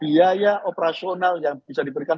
biaya operasional yang bisa diberikan